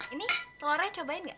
ini telurnya cobain gak